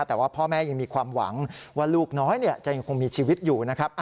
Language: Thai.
แต่ว่าพ่อแม่ยังมีความหวังว่าลูกน้อยจะยังคงมีชีวิตอยู่นะครับ